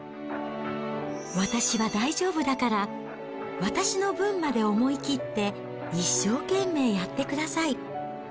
私は大丈夫だから、私の分まで思い切って一生懸命やってください。